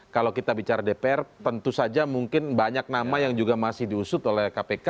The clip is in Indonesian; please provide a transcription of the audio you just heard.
kalau kita bicara dpr tentu saja mungkin banyak nama yang juga masih diusut oleh kpk